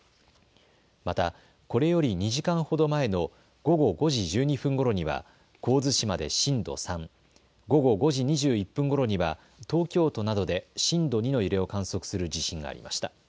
またこれより２時間ほど前の午後５時１２分ごろには神津島で震度３、午後５時２１分ごろには東京都などで震度２の揺れを観測する地震がありました。